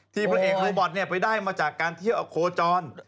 พระเอกโรบอทไปได้มาจากการเที่ยวอโคจร